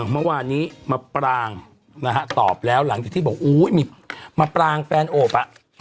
เมื่อวานนี้มาปรางนะฮะตอบแล้วหลังจากที่บอกอุ้ยมีมาปรางแฟนโอบอ่ะ